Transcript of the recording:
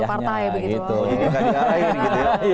jangan diarahkan gitu ya